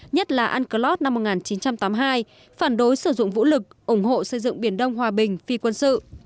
nhất là unclos năm một nghìn chín trăm tám mươi hai phản đối sử dụng vũ lực ủng hộ xây dựng biển đông hòa bình phi quân sự